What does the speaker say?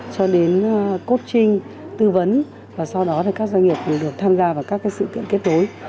cho đến codeing tư vấn và sau đó các doanh nghiệp được tham gia vào các sự kiện kết nối